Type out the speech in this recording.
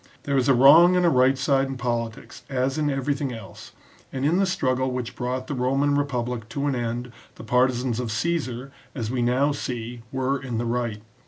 There is a wrong and a right side in politics as in everything else, and in the struggle which brought the Roman republic to an end the partisans of Caesar, as we now see, were in the right.